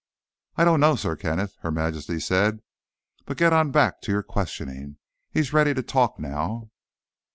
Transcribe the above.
_ "I don't know, Sir Kenneth," Her Majesty said. "But get on back to your questioning. He's ready to talk now."